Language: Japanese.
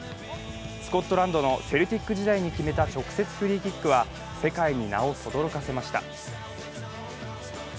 スコットランドのセルティック時代に決めた直接フリーキックは、世界に名をとどろかせました。